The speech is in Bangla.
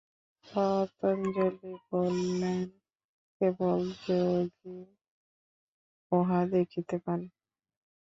পতঞ্জলি বলেন, কেবল যোগীই উহা দেখিতে পান।